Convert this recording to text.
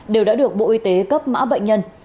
đều đã được bộ y tế cấp mã bệnh nhân